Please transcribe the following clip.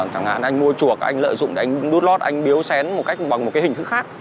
chẳng hạn anh mua chuộc anh lợi dụng để anh đút lót anh biếu xén một cách bằng một cái hình thức khác